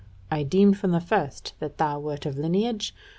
I deemed from the first that thou wert of lineage.